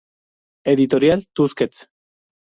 Editorial Tusquets.